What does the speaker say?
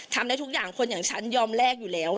ทำได้ทุกอย่างคนอย่างฉันยอมแลกอยู่แล้ว